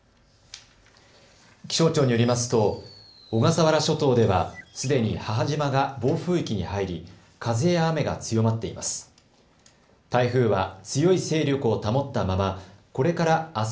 気象庁によりますと小笠原諸島では、すでに母島が暴風域に入り風や雨が強まっています。